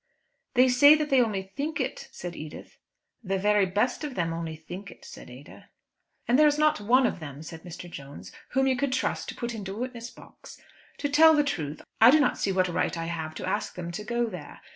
"They say that they only think it," said Edith. "The very best of them only think it," said Ada. "And there is not one of them," said Mr. Jones, "whom you could trust to put into a witness box. To tell the truth, I do not see what right I have to ask them to go there.